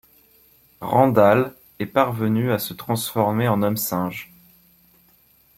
Randall, est parvenu à se transformer en homme-singe.